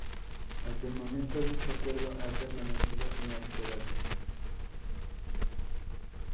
Hasta el momento dicho acuerdo ha permanecido inalterado.